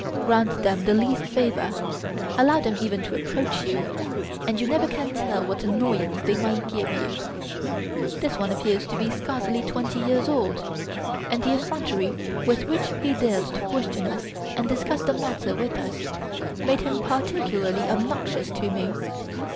Grant them the least favour, allow them even to approach you, and you never can tell what annoyance they may give you. This one appears to be scarcely twenty years old, and the effrontery with which he dared to question us and discuss the matter with us made him particularly obnoxious to me.